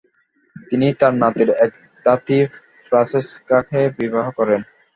তিনি তার নাতির এক ধাত্রী ফ্রাসেসকাকে বিবাহ করেন।